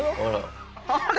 あれ？